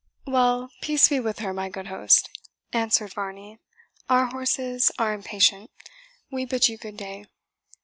"Well, peace be with her, my good host," answered Varney; "our horses are impatient we bid you good day."